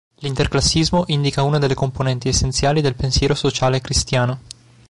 L'Interclassismo indica una delle componenti essenziali del pensiero sociale cristiano.